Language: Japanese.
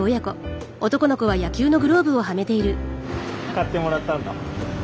買ってもらったんだ？